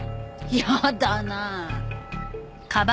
やだなあ。